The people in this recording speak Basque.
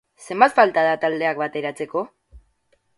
Zenbat falta da taldeak bateratzeko?